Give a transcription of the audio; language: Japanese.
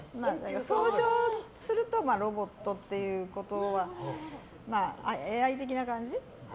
総称するとロボットっていうことはＡＩ的な感じ。